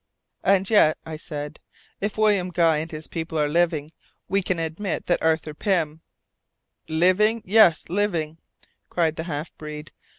"And yet," I said, "if William Guy and his people are living, can we admit that Arthur Pym " "Living? Yes! Living!" cried the half breed.